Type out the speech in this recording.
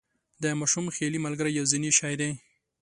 د ماشوم خیالي ملګری یو ذهني شی دی.